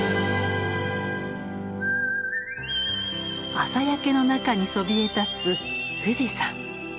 朝焼けの中にそびえ立つ富士山。